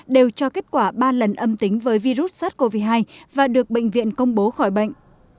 đều cho kết quả ba lần âm tính với virus sars cov hai và được bệnh viện công bố khỏi bệnh